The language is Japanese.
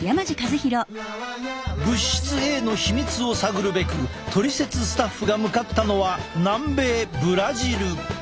物質Ａの秘密を探るべくトリセツスタッフが向かったのは南米ブラジル。